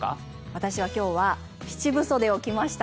私は今日は七分袖を着ました。